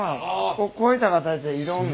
こういった形でいろんな。